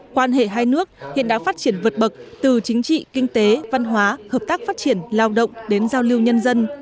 quan hệ hai nước hiện đã phát triển vượt bậc từ chính trị kinh tế văn hóa hợp tác phát triển lao động đến giao lưu nhân dân